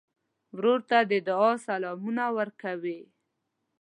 ورور ته د دعا سلامونه ورکوې.